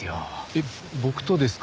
えっ僕とですか？